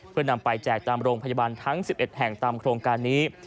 เพื่อนำไปแจกตามโรงพยาบาลทั้ง๑๑แห่งตามโครงการนี้